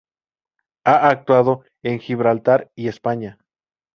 Ha actuado en Gibraltar y España.